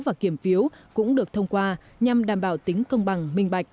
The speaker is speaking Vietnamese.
và kiểm phiếu cũng được thông qua nhằm đảm bảo tính công bằng minh bạch